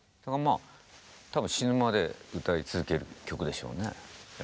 多分死ぬまで歌い続ける曲でしょうね。